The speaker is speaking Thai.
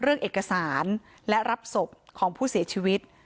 เรื่องเอกสารและรับศพของผู้เสียชีวิต